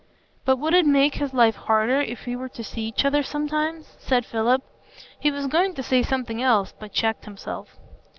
"But would it make his life harder if we were to see each other sometimes?" said Philip. He was going to say something else, but checked himself.